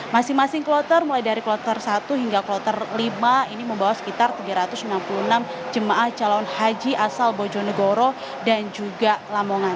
masing masing kloter mulai dari kloter satu hingga kloter lima ini membawa sekitar tiga ratus enam puluh enam jemaah calon haji asal bojonegoro dan juga lamongan